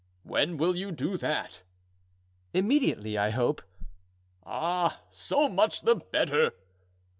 "When will you do that?" "Immediately, I hope." "Ah! so much the better!"